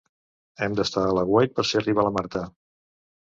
Hem d'estar a l'aguait per si arriba la Marta.